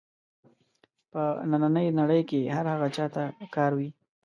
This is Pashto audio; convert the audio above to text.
په نننۍ نړۍ کې هر هغه چا ته په کار وي.